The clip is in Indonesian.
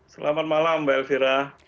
selamat malam mbak elvira